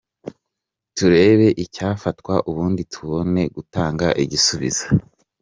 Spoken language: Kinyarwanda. turebe icyafatwa ubundi tubone gutanga igisubizo.